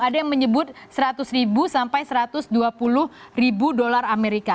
ada yang menyebut seratus ribu sampai satu ratus dua puluh ribu dolar amerika